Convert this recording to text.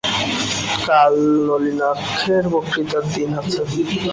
কাল নলিনাক্ষের বক্তৃতার দিন আছে।